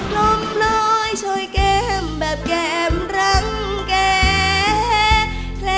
น้องพลอยช่วยแก้มแบบแก้มรังแก่